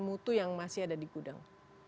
mutu yang masih ada di gudang